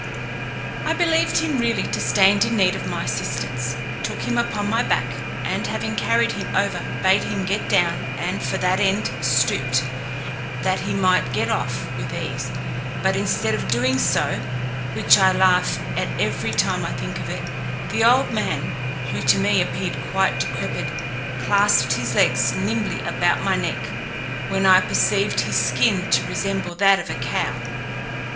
I believed him really to stand in need of my assistance, took him upon my back, and having carried him over, bade him get down, and for that end stooped, that he might get off with ease; but instead of doing so (which I laugh at every time I think of it) the old man, who to me appeared quite decrepid, clasped his legs nimbly about my neck, when I perceived his skin to resemble that of a cow.